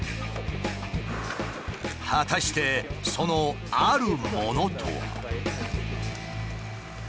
果たしてそのあるものとは。